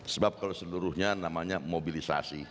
sebab kalau seluruhnya namanya mobilisasi